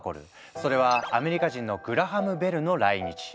それはアメリカ人のグラハム・ベルの来日。